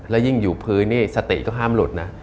แล้วยิ่งอยู่พื้นนี่สติก็ห้ามหลุดนะ